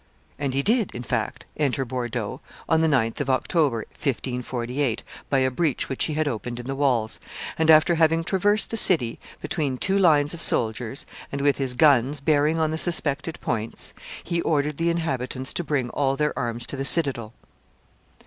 And he did, in fact, enter Bordeaux on the 9th of October, 1548, by a breach which he had opened in the walls, and, after having traversed the city between two lines of soldiers and with his guns bearing on the suspected points, he ordered the inhabitants to bring all their arms to the citadel.